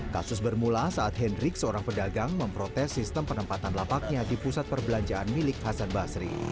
kasus bermula saat hendrik seorang pedagang memprotes sistem penempatan lapaknya di pusat perbelanjaan milik hasan basri